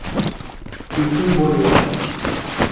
কিছুই বলিয়ো না।